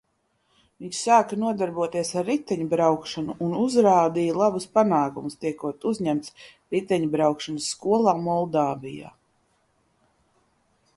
Viņš sāka nodarboties ar riteņbraukšanu un uzrādīja labus panākumus, tiekot uzņemts riteņbraukšanas skolā Moldāvijā.